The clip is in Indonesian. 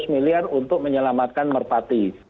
lima ratus miliar untuk menyelamatkan merpati